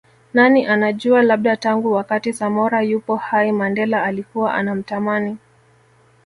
Nani anajua labda tangu wakati Samora yupo hai Mandela alikuwa anamtamani